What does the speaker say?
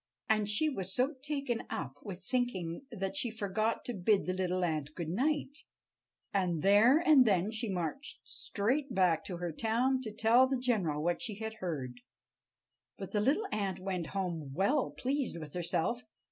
And she was so taken up with thinking that she forgot to bid the little ant good night, and there and then she marched straight back to her town to tell the general what she had heard. But the little ant went home well pleased with herself.